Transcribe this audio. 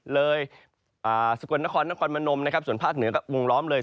เลยสกวนนครนครมนมส่วนภาคเหนือก็วงล้อมเลย